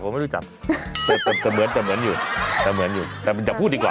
แต่เหมือนอยู่แต่จะพูดดีกว่า